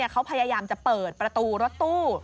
เขาพยายามจะเปิดประตูรถตู้